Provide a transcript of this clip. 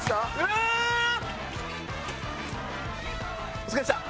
お疲れっした！